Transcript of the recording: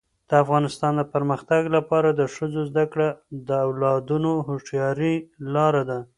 د افغانستان د پرمختګ لپاره د ښځو زدهکړه د اولادونو هوښیارۍ لار ده.